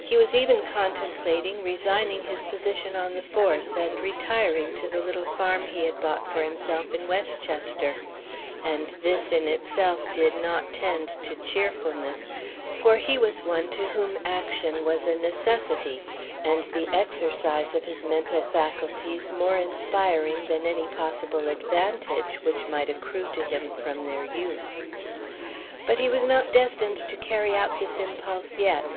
He was even contemplating resigning his position on the force and retiring to the little farm he had bought for himself in Westchester; and this in itself did not tend to cheerfulness, for he was one to whom action was a necessity and the exercise of his mental faculties more inspiring than any possible advantage which might accrue to him from their use. But he was not destined to carry out this impulse yet.